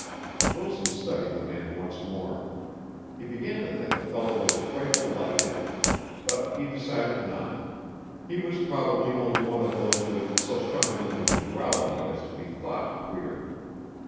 Wilson studied the man once more; he began to think the fellow was a trifle light headed. But he decided not; he was probably only one of those with so strong an individuality as to be thought queer.